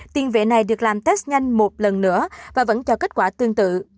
tiền vệ này được làm test nhanh một lần nữa và vẫn cho kết quả tương tự